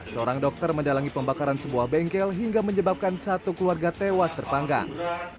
seorang dokter mendalangi pembakaran sebuah bengkel hingga menyebabkan satu keluarga tewas terpanggang